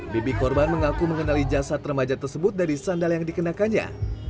bibi korban mengaku mengenali jasad remaja tersebut dari sandal yang dikenakannya